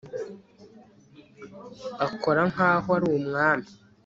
Akora nkaho ari umwami